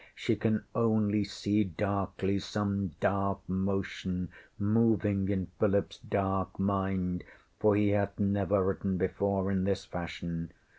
She can only see darkly some dark motion moving in PhilipŌĆÖs dark mind, for he hath never written before in this fashion.